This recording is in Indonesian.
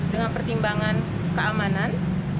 dengan pertimbangan keamanan